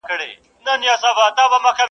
د باوړۍ اوبه مي هر ګړی وچېږي -